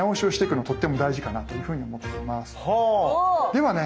ではね